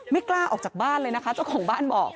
กล้าออกจากบ้านเลยนะคะเจ้าของบ้านบอก